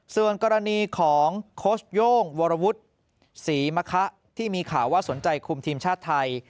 ส่วนกรณีของโค้ชโย่งวรวุฒิศรีมะคะที่มีข่าวว่าสนใจคุมทีมชาติไทย